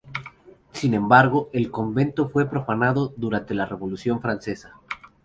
Sin embargo, el convento fue profanado durante la Revolución Francesa.